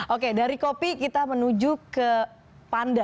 oke dari kopi kita menuju ke panda